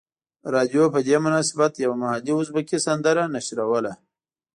رادیو په دې مناسبت یوه محلي ازبکي سندره نشروله.